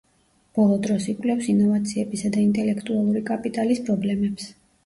ბოლო დროს იკვლევს ინოვაციებისა და ინტელექტუალური კაპიტალის პრობლემებს.